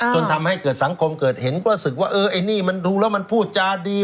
จนทำให้เกิดสังคมเกิดเห็นก็รู้สึกว่าเออไอ้นี่มันดูแล้วมันพูดจาดี